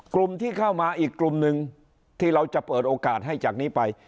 กลุ่มที่เข้ามาอีกกลุ่มหนึ่งที่เราจะเปิดโอกาสให้จากนี้ไป